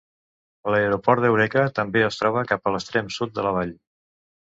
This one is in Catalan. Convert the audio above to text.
L'aeroport d'Eureka també es troba cap a l'extrem sud de la vall.